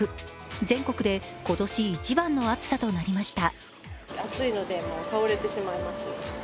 全国で今年一番の暑さとなりました。